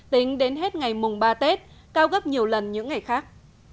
tính đến hết ngày mùng ba tết cao gấp nhiều lần những ngày khác